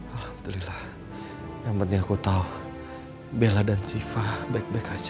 alhamdulillah yang penting aku tau bella dan syifa baik baik aja